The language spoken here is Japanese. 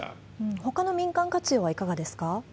ほかの民間活用はいかがですか？